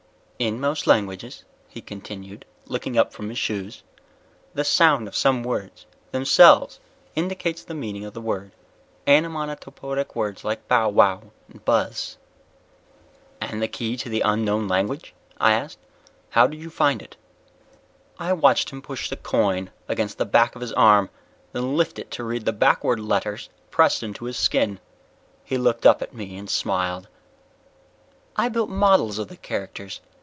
_ "In most languages," he continued, looking up from his shoes, "the sound of some words themselves indicates the meaning of the word. Onomatopoetic words like bowwow, buzz." "And the key to the unknown language?" I asked. "How did you find it?" I watched him push the coin against the back of his arm, then lift it to read the backward letters pressed into his skin. He looked up at me and smiled. "I built models of the characters.